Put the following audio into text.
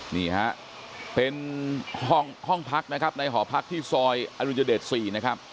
นี่ฮะเป็นห้องพักนะครับในหอพักที่ซอยอดุญเดช๔นะครับ